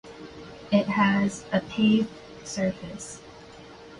It has a paved surface.